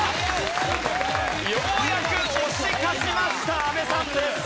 ようやく押し勝ちました阿部さんです。